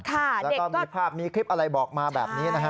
แล้วก็มีภาพมีคลิปอะไรบอกมาแบบนี้นะฮะ